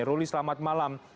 ruli selamat malam